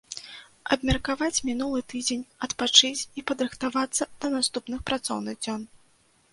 Абмеркаваць мінулы тыдзень, адпачыць і падрыхтавацца да наступных працоўных дзён.